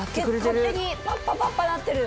パッパパッパなってる。